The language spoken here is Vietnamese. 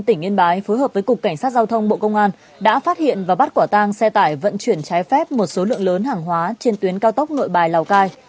đã phát hiện và bắt quả tang xe tải vận chuyển trái phép một số lượng lớn hàng hóa trên tuyến cao tốc ngội bài lào cai